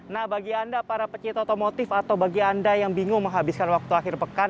nah bagi anda para pecinta otomotif atau bagi anda yang bingung menghabiskan waktu akhir pekan